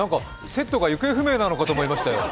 セットが行方不明なのかと思いましたよ。